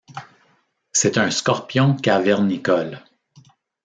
C'est un scorpion cavernicole.